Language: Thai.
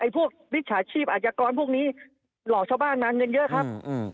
พวกมิจฉาชีพอาชญากรพวกนี้หลอกชาวบ้านนานเงินเยอะครับ